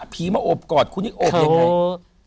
ผีมาอบกอดคุณคุณอบยังไง